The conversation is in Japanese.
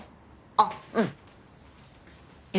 あっうん。